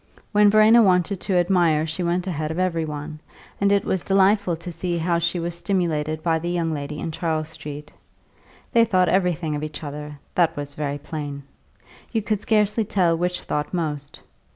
When Verena wanted to admire she went ahead of every one, and it was delightful to see how she was stimulated by the young lady in Charles Street. They thought everything of each other that was very plain; you could scarcely tell which thought most.